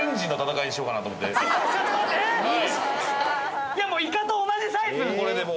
いや、もう、イカと同じサイこれでもう。